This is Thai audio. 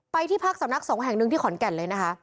ที่พักสำนักสงฆ์แห่งหนึ่งที่ขอนแก่นเลยนะคะ